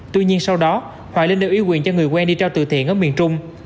tuy nhiên sau đó hoài linh đều ý quyền cho người quen đi trao từ thiện ở miền trung